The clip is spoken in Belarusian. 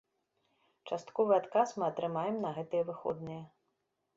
Частковы адказ мы атрымаем на гэтыя выходныя.